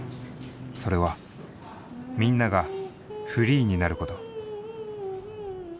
それはみんなが「Ｆｒｅｅ」になること。